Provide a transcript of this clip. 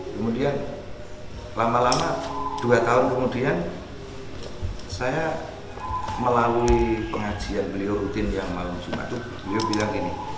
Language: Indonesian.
kemudian lama lama dua tahun kemudian saya melalui pengajian beliau rutin yang malam jumat itu beliau bilang ini